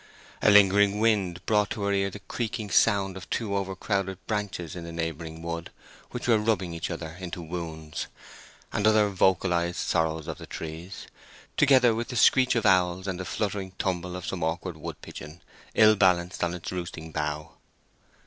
A lingering wind brought to her ear the creaking sound of two over crowded branches in the neighboring wood which were rubbing each other into wounds, and other vocalized sorrows of the trees, together with the screech of owls, and the fluttering tumble of some awkward wood pigeon ill balanced on its roosting bough.